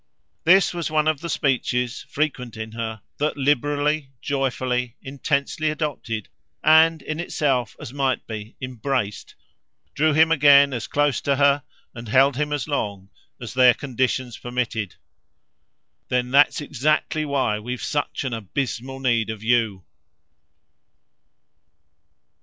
This was one of the speeches, frequent in her, that, liberally, joyfully, intensely adopted and, in itself, as might be, embraced, drew him again as close to her, and held him as long, as their conditions permitted. "Then that's exactly why we've such an abysmal need of you!"